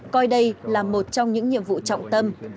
coi đây là một trong những nhiệm vụ trọng tâm